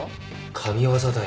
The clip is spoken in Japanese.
神業だよ。